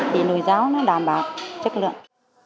thì nồi cháo nó đảm bảo chất lượng